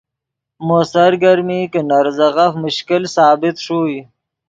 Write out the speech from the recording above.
مو سرگرمی کہ نے ریزغف مشکل ثابت ݰوئے